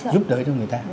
giúp đỡ cho người ta